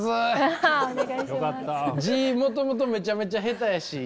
字もともとめちゃめちゃ下手やし。